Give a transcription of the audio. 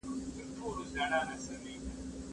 تاسو بايد د فکري بډاينې لپاره کوښښ وکړئ.